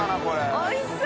おいしそう！